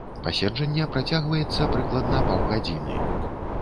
Паседжанне працягваецца прыкладна паўгадзіны.